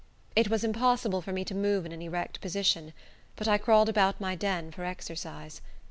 It was impossible for me to move in an erect position, but I crawled about my den for exercise.